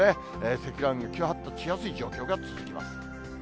積乱雲が急発達しやすい状況が続きます。